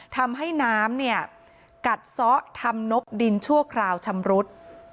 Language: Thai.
ทำให้น้ำเนี่ยกัดซ้อทำนบดินชั่วคราวชำรุด